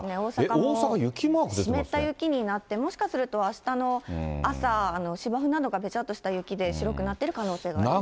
大阪、湿った雪になって、もしかするとあしたの朝、芝生などがべちゃっとした雪で、白くなってる可能性があります。